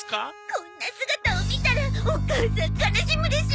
こんな姿を見たらお母さん悲しむでしょうね。